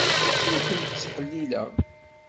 Ur kent-ttḥellileɣ.